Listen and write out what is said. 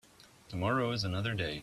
Tomorrow is another day.